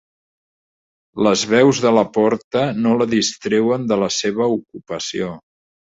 Les veus de la porta no la distreuen de la seva ocupació.